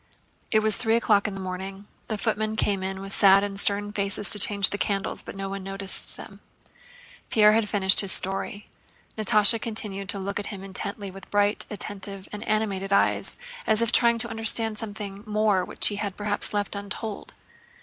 It was three o'clock in the morning. The footmen came in with sad and stern faces to change the candles, but no one noticed them. Pierre finished his story. Natásha continued to look at him intently with bright, attentive, and animated eyes, as if trying to understand something more which he had perhaps left untold.